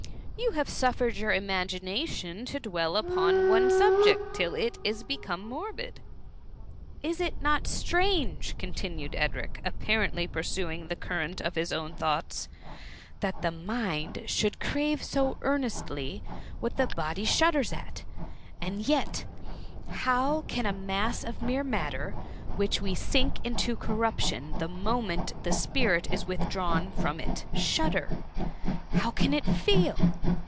^^ You have suffered your imagination to dwell upon one subject, till it is become morbid. ^' Is it not strange,^ continued Edric, appa rently pursuing the current of his own thoughts, '* that the mind should crave so earnestly what the body shudders at ; and yet, how can a mass of /mere matter, which we see sink into cor« ruption the moment the spirit is withdrawn from it, shudder? How can it even feel?